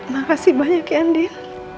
makasih banyak ya din